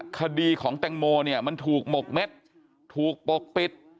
คดีของแตงโมเนี่ยมันถูกหมกเม็ดถูกปกปิด